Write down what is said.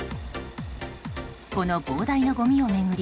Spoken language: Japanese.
この膨大なごみを巡り